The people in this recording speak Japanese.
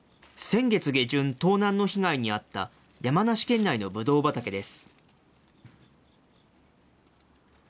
先月下旬、盗難の被害に遭った山梨県内のぶどう畑です。